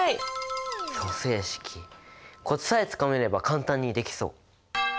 組成式コツさえつかめれば簡単にできそう！